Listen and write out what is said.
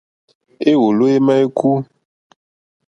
Éwòló émá ékú.